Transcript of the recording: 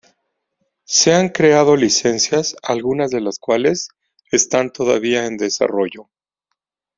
Se han creado licencias, algunas de las cuales están todavía en desarrollo.